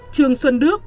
trường xuân đức